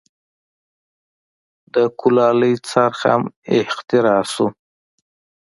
د کولالۍ څرخ هم اختراع شو.